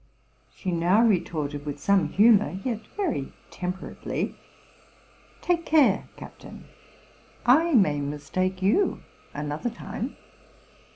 '' She now retorted with some humor, yet very temperately, '' Take care, captain: I may mistake you another time!